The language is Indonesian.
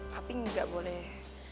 papi gak boleh